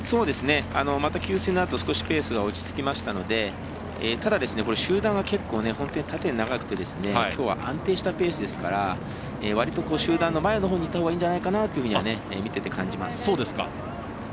給水のあとペースが落ち着きましたのでただ、集団は結構、縦に長くて今日は安定したペースですから割と集団の前のほうにいた方がいいんじゃないかなと見ていて、感じます。